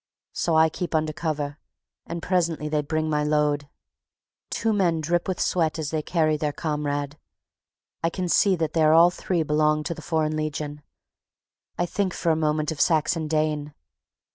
So I keep under cover, and presently they bring my load. Two men drip with sweat as they carry their comrade. I can see that they all three belong to the Foreign Legion. I think for a moment of Saxon Dane.